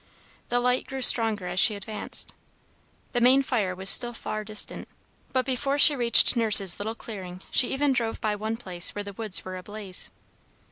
The light grew stronger as she advanced. The main fire was still far distant, but before she reached Nurse's little clearing, she even drove by one place where the woods were ablaze.